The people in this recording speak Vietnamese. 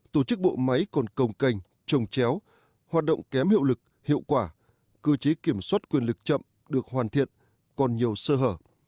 tổ chức bộ máy còn công cành trồng chéo hoạt động kém hiệu lực hiệu quả cơ chế kiểm soát quyền lực chậm được hoàn thiện còn nhiều sơ hở